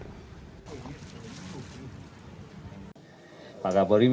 kepada kepulauan kepulauan dan kepulauan belum